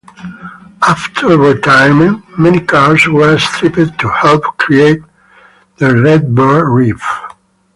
After retirement, many cars were stripped to help create the Redbird Reef.